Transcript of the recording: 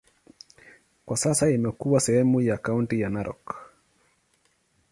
Kwa sasa imekuwa sehemu ya kaunti ya Narok.